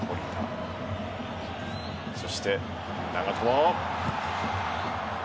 そして長友。